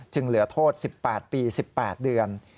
เหลือโทษ๑๘ปี๑๘เดือน